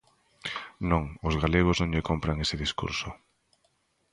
Non, os galegos non lle compran ese discurso.